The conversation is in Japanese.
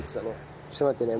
ちょっと待ってね。